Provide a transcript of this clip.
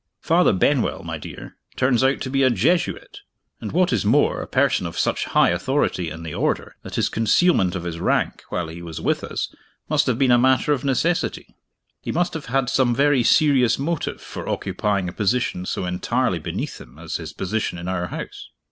Father Benwell, my dear, turns out to be a Jesuit; and, what is more, a person of such high authority in the Order, that his concealment of his rank, while he was with us, must have been a matter of necessity. He must have had some very serious motive for occupying a position so entirely beneath him as his position in our house.